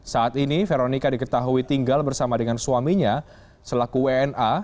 saat ini veronica diketahui tinggal bersama dengan suaminya selaku wna